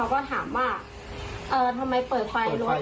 แล้วก็มีบุคคลนี้ค่ะเขาไม่ยืนขวางหนูหน้ารถค่ะ